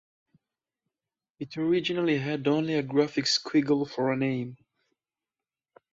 It originally had only a graphic 'squiggle' for a name.